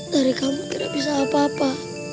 dari kamu tidak bisa apa apa